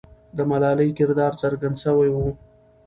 د ملالۍ کردار څرګند سوی وو.